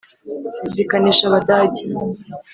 Zikanesha Abadage :